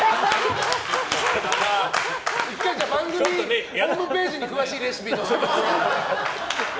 １回、番組ホームページに詳しいレシピ載せますので。